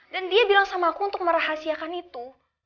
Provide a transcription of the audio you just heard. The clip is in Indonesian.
dan dia bilang sama aku untuk merahasiakan itu